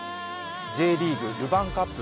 Ｊリーグ、ルヴァンカップ